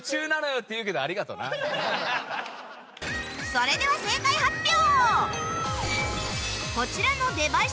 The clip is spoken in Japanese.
それでは正解発表！